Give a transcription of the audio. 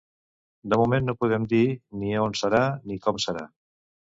De moment no podem dir ni on serà ni com serà.